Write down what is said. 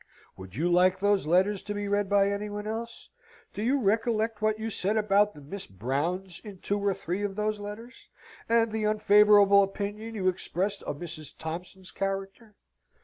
Would you like those letters to be read by any one else? Do you recollect what you said about the Miss Browns in two or three of those letters, and the unfavourable opinion you expressed of Mrs. Thompson's character?